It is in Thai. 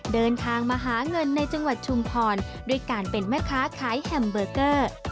เดินทางมาหาเงินในจังหวัดชุมพรด้วยการเป็นแม่ค้าขายแฮมเบอร์เกอร์